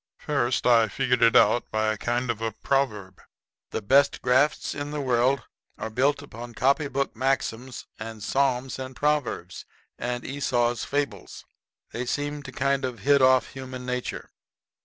First, I figured it out by a kind of a proverb. The best grafts in the world are built up on copy book maxims and psalms and proverbs and Esau's fables. They seem to kind of hit off human nature.